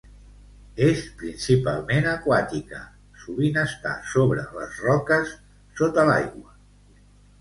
És principalment aquàtica, sovint està sobre les roques sota l'aigua.